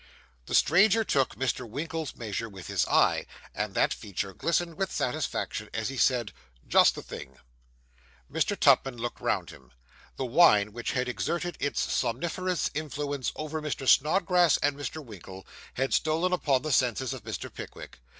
The stranger took Mr. Winkle's measure with his eye, and that feature glistened with satisfaction as he said, 'Just the thing.' Mr. Tupman looked round him. The wine, which had exerted its somniferous influence over Mr. Snodgrass and Mr. Winkle, had stolen upon the senses of Mr. Pickwick.